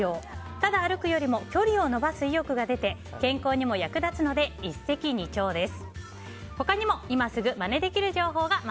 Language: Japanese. ただ歩くよりも距離を延ばす意欲が出て健康にも役立つので一石二鳥です。